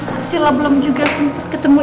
arsyila belum juga sempet ketemu